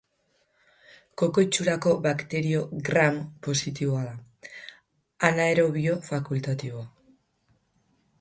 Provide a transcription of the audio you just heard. Koko itxurako bakterio Gram positiboa da, anaerobio fakultatiboa.